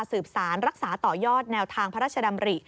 สืบสารรักษาต่อยอดแนวทางพระราชดำริ